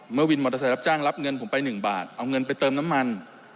วินมอเตอร์ไซค์รับจ้างรับเงินผมไป๑บาทเอาเงินไปเติมน้ำมัน